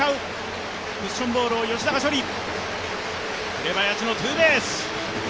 紅林のツーベース。